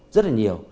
rất là nhiều